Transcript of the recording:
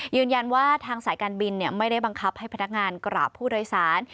ยืนยันว่าทางสายการบินไม่ได้บังคับให้พนักงานกราบผู้โดยสาร